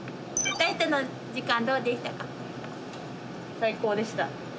最高でした。